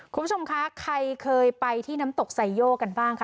คุณผู้ชมคะใครเคยไปที่น้ำตกไซโยกันบ้างค่ะ